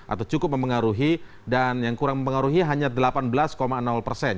atau cukup mempengaruhi dan yang kurang mempengaruhi hanya delapan belas persen